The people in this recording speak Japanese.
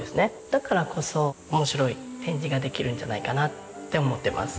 だからこそ面白い展示ができるんじゃないかなって思ってます。